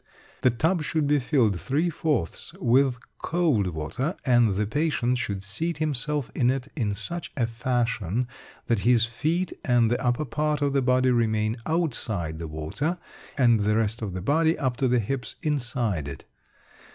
The tub should be filled three fourths with cold water, and the patient should seat himself in it in such a fashion that his feet and the upper part of the body remain outside the water, and the rest of the body up to the hips inside it.